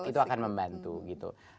itu akan membantu gitu